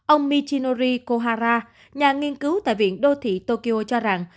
ông michinori kohara nhà nghiên cứu tại viện đô thị tokyo cho rằng